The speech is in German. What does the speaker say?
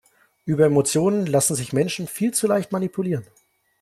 Über Emotionen lassen sich Menschen viel zu leicht manipulieren.